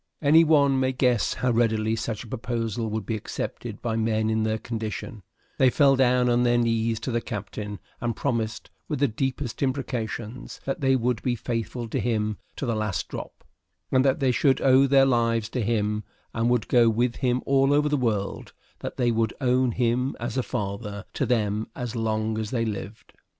Any one may guess how readily such a proposal would be accepted by men in their condition; they fell down on their knees to the captain, and promised, with the deepest imprecations, that they would be faithful to him to the last drop, and that they should owe their lives to him, and would go with him all over the world; that they would own him as a father to them as long as they lived.